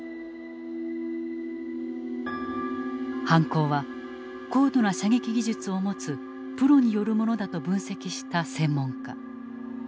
犯行は高度な射撃技術を持つプロによるものだと分析した専門家。